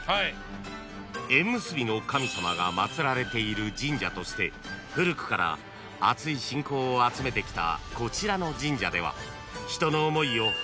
［縁結びの神様が祭られている神社として古くからあつい信仰を集めてきたこちらの神社では］